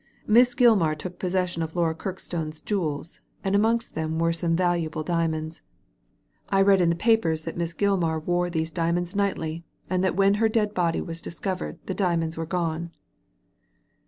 Miss Gilmar took possession of Laura Kirkstone's jewels, and amongst them were some valuable diamonds. I read in the papers that Miss Q Digitized by Google 82 THE LADY FROM NOWHERE Gilmar wore those diamonds nightly, and that when her dead body was discovered the diamonds were gone."